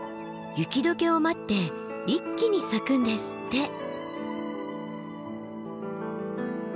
雪解けを待って一気に咲くんですって。